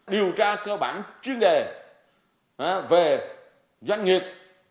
điều tra cơ bản chuyên đề về doanh nghiệp